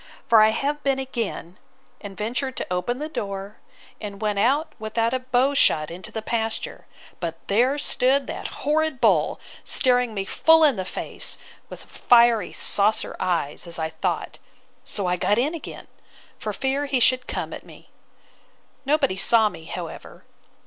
—For I have been again, and ventured to open the door, and went out about a bow shot into the pasture; but there stood that horrid bull, staring me full in the face, with fiery saucer eyes, as I thought. So I got in again, for fear he should come at me. Nobody saw me, however.